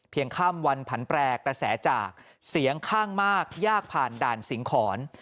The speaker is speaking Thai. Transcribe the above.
ข้ามวันผันแปรกระแสจากเสียงข้างมากยากผ่านด่านสิงหอน